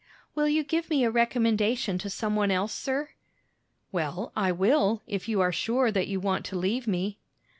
"Will you give me a recommendation to some one else, sir?" "Well, I will, if you are sure that you want to leave me."